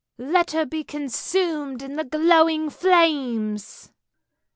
" Let her be consumed in the glowing flames!